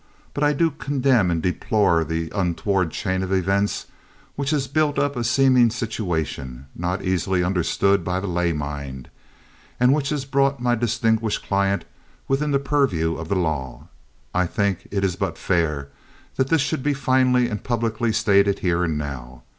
But I do condemn and deplore the untoward chain of events which has built up a seeming situation, not easily understood by the lay mind, and which has brought my distinguished client within the purview of the law. I think it is but fair that this should be finally and publicly stated here and now.